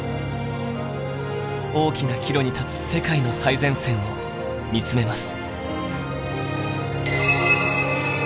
大きな岐路に立つ世界の最前線を見つめます。